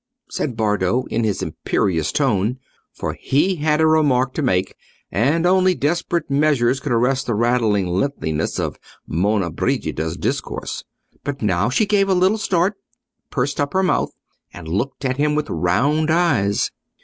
said Bardo, in his imperious tone, for he had a remark to make, and only desperate measures could arrest the rattling lengthiness of Monna Brigida's discourse. But now she gave a little start, pursed up her mouth, and looked at him with round eyes.